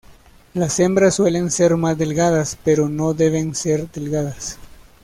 Las hembras suelen ser más delgadas, pero no deben ser delgadas.